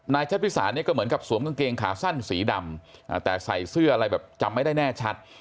ชัดพิสารเนี่ยก็เหมือนกับสวมกางเกงขาสั้นสีดำแต่ใส่เสื้ออะไรแบบจำไม่ได้แน่ชัด